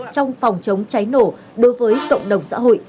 trong phòng chống cháy nổ đối với cộng đồng xã hội